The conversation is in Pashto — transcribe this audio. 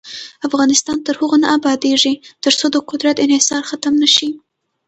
افغانستان تر هغو نه ابادیږي، ترڅو د قدرت انحصار ختم نشي.